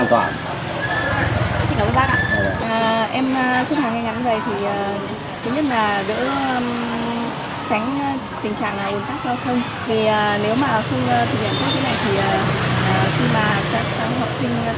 vì nếu mà không thực hiện phương trình này thì khi mà các học sinh tan